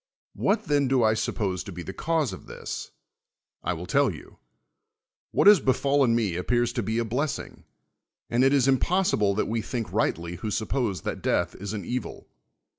Wliat then do I suppose to be the cause of this? I will tell yon: what has befallen n^c appears to be a blessing; and it is impossible that we think rightly who suppose that death is an evil.